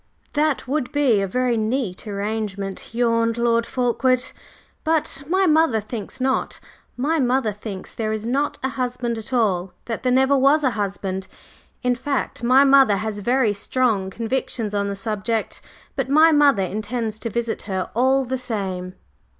"That would be a very neat arrangement," yawned Lord Fulkeward. "But my mother thinks not. My mother thinks there is not a husband at all, that there never was a husband. In fact my mother has very strong convictions on the subject. But my mother intends to visit her all the same."